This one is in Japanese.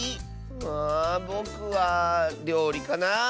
ああぼくはりょうりかなあ。